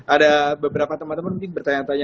ada beberapa teman teman mungkin bertanya tanya